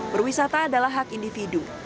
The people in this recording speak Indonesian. berwisata adalah hak individu